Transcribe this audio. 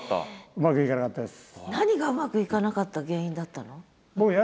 うまくいかなかったです。